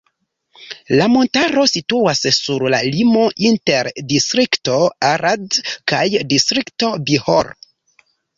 La montaro situas sur la limo inter distrikto Arad kaj distrikto Bihor.